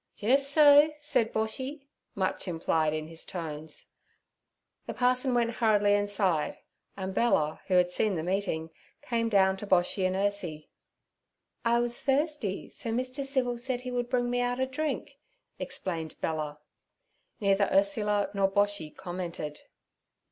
'Jis so' said Boshy, much implied in his tones. The parson went hurriedly inside, and Bella, who had seen the meeting, came down to Boshy and Ursie. 'I was thirsty, so Mr. Civil said he would bring me out a drink' explained Bella. Neither Ursula nor Boshy commented.